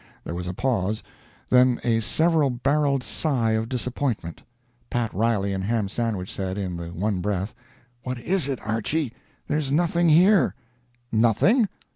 There was a pause, then a several barrelled sigh of disappointment. Pat Riley and Ham Sandwich said, in the one breath, "What is it, Archy? There's nothing here." "Nothing?